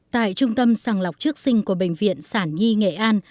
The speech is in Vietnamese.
tại trung tâm sàng lọc trước sinh của bệnh viện sản nhi nghệ an